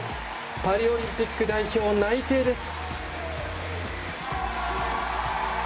パリオリンピック代表内定です。